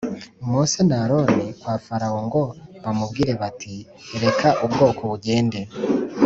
Mose na Aroni kwa Farawo ngo bamubwire bati reka ubwoko bugende